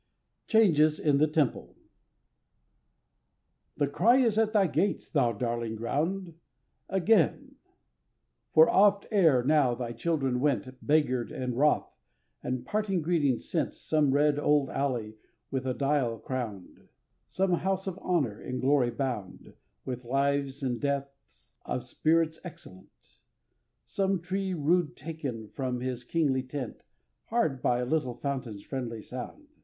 Changes in the Temple THE cry is at thy gates, thou darling ground, Again; for oft ere now thy children went Beggared and wroth, and parting greeting sent Some red old alley with a dial crowned; Some house of honor, in a glory bound With lives and deaths of spirits excellent; Some tree rude taken from his kingly tent Hard by a little fountain's friendly sound.